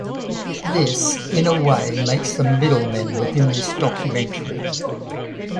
This in a way makes them middlemen within this documentary.